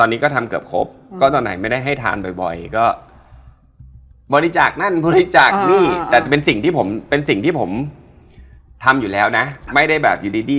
นโมตัสะพระควาโตสวดบ้าสวดบ่